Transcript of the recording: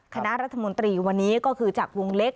คณะรัฐมนตรีวันนี้ก็คือจากวงเล็ก